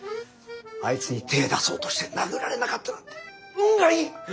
あいつに手ぇ出そうとして殴られなかったなんて運がいい！